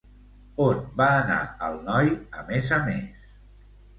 On va anar el noi a més a més?